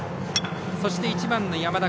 そして１番の山田。